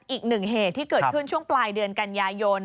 อีกหนึ่งเหตุที่เกิดขึ้นช่วงปลายเดือนกันยายน